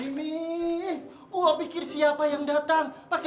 mimin gua pikir siapa yang datang